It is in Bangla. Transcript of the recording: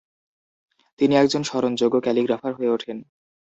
তিনি একজন স্মরণযোগ্য ক্যালিগ্রাফার হয়ে ওঠেন।